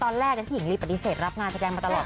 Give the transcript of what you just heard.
ตอนแรกพี่หญิงลีปฏิเสธรับงานแสดงมาตลอด